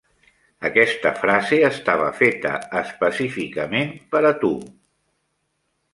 Aquesta frase estava feta específicament per a tu.